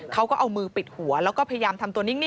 เขาก็เอามือปิดหัวแล้วก็พยายามทำตัวนิ่ง